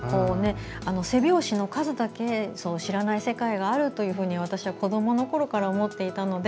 背表紙の数だけ知らない世界があると私は、子どものころから思っていたので。